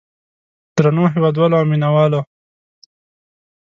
درنو هېوادوالو او مینه والو.